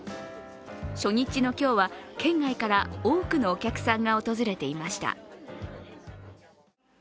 初日の今日は県外から多くのお客さんが訪れていました。